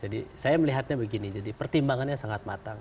saya melihatnya begini jadi pertimbangannya sangat matang